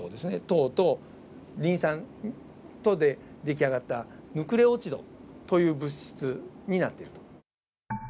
糖とリン酸とで出来上がったヌクレオチドという物質になっていると。